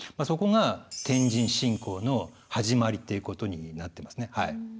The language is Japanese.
そこが天神信仰の始まりっていうことになってますね。